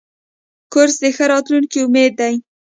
کورس د ښه راتلونکي امید دی.